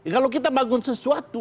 kalau kita bangun sesuatu